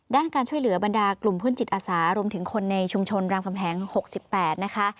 การช่วยเหลือบรรดากลุ่มเพื่อนจิตอาสารวมถึงคนในชุมชนรามคำแหง๖๘นะคะ